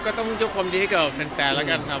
ก็ต้องยกความดีให้กับแฟนแล้วกันครับ